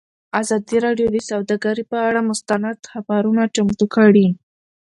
ازادي راډیو د سوداګري پر اړه مستند خپرونه چمتو کړې.